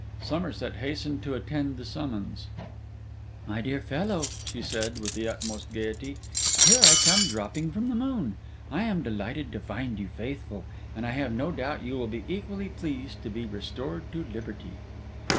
Somerset hastened to attend the summons. 'My dear fellow,' she said, with the utmost gaiety, 'here I come dropping from the moon. I am delighted to find you faithful; and I have no doubt you will be equally pleased to be restored to liberty.